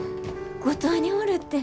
五島におるって。